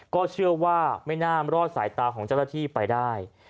ก็เชื่อว่าไม่น่ารอดสายตาของเจ้าหน้าที่ไปได้